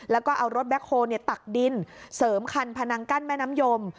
แล้วก็เอารถแบ็คโฮลตักดินเสริมคันพนังกั้นแม่น้ำยม